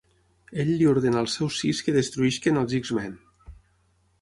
Ell li ordena als seus Sis que destrueixin als X-Men.